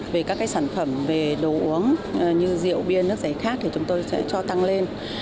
về các sản phẩm về đồ uống như rượu bia nước rẻ khác thì chúng tôi sẽ cho tăng lên